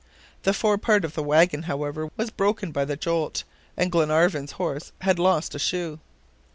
The fore part of the wagon, however, was broken by the jolt, and Glenarvan's horse had lost a shoe.